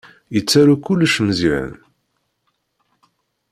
Yettaru kullec Meẓyan.